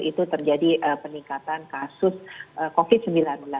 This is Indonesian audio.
itu terjadi peningkatan kasus covid sembilan belas